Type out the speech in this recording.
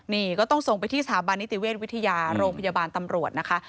นี่ก็ต้องส่งไปที่สถาบันนิติเวชวิทยาโรงพยาบาลตำรวจนะคะ